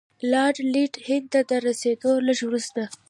لارډ لیټن هند ته تر رسېدلو لږ وروسته.